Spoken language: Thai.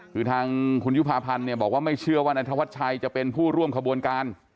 คือทางคุณยุภาพันธ์เนี่ยบอกว่าไม่เชื่อว่านายธวัชชัยจะเป็นผู้ร่วมขบวนการ